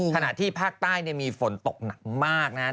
ขณะที่ภาคใต้มีฝนตกหนักมากนะครับ